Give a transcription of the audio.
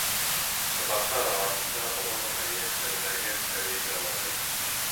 Ҡунаҡтар араһында оло ғына йәштәрҙәге әбей ҙә бар ине.